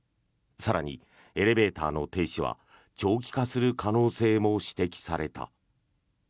更に、エレベーターの停止は長期化する可能性も指摘された。